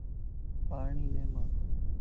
پاڻي ڏي مانک